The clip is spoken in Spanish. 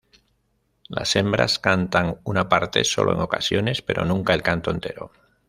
Las hembras cantan una parte solo en ocasiones, pero nunca el canto entero.